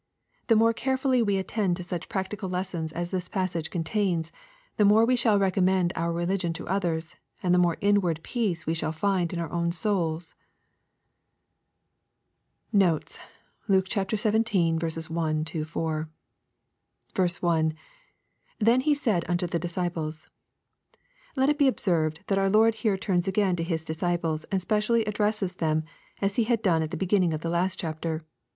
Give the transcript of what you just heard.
The more carefully we attend to such practical lessons as this passage contains^ the more shall we recommend our religion to others, and the more inward peace shall we find in our own souls. Notes. Luke XVII. 1 — 4. 1. — \Then said he unto the disciples.'] Let it be observed* that our Lord here turns agaiu to His disciples and specially addresses them, as He had done at the beginning of the last chapter.